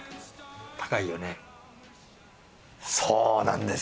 そうなんです。